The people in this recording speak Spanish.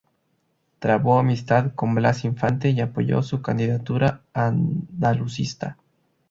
Trabó amistad con Blas Infante, y apoyó su candidatura andalucista.